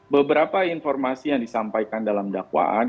beberapa informasi yang disampaikan dalam dakwaan